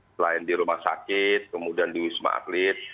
selain di rumah sakit kemudian di wisma atlet